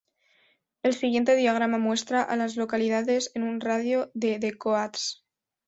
El siguiente diagrama muestra a las localidades en un radio de de Coats.